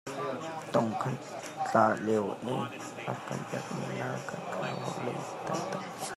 Thong ka tla lio i a ka bawmmi hna kha ka hawile taktak an si.